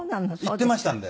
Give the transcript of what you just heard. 言っていましたんで。